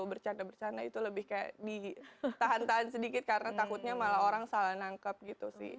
bercanda bercanda itu lebih kayak ditahan tahan sedikit karena takutnya malah orang salah nangkep gitu sih